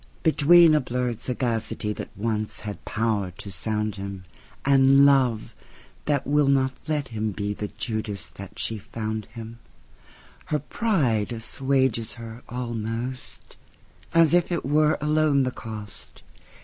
Between a blurred sagacityThat once had power to sound him, And Love, that will not let him beThe Judas that she found him, Her pride assuages her almost, As if it were alone the cost.